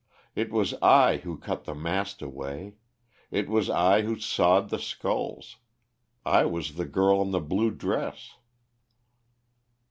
It was I who cut the mast away; it was I who sawed the sculls. I was the girl in the blue dress."